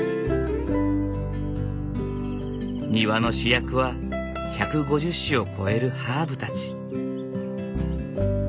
庭の主役は１５０種を超えるハーブたち。